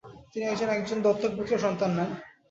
তিনি একজন একজন দত্তক পুত্র সন্তান নেন।